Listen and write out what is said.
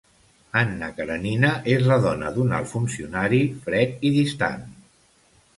Anna Karènina és la dona d'un alt funcionari fred i distant.